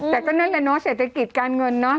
แต่ก็นั่นแหละเนาะเศรษฐกิจการเงินเนอะ